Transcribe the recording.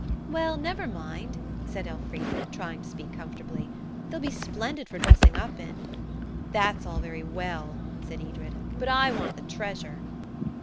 "Well, never mind," said Elfrida, trying to speak comfortably. "They'll be splendid for dressing up in." "That's all very well," said Edred, "but I want the treasure."